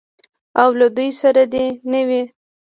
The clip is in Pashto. او له دوی سره دې نه وي.